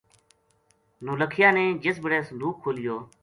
نولکھیا نے جس بِڑے صندوق کھولیو